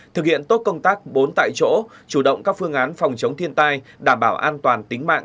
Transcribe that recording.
thực hiện tốt công tác bốn tại chỗ chủ động các phương án phòng chống thiên tai đảm bảo an toàn tính mạng